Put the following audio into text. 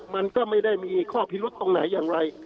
มันก็ไม่ได้มีข้อพิรุษตรงไหนอย่างไร